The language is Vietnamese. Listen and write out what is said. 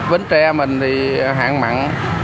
bến tre mình thì hạn mặn